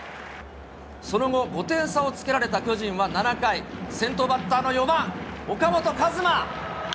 その後、５点差をつけられた巨人は７回、先頭バッターの４番岡本和真。